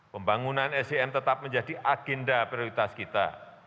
pembangunan sdm tetap menjadi agenda prioritas kita